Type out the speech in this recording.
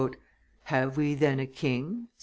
"Have we, then, a king?" said M.